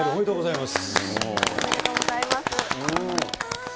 まずはね、おめでとうございます。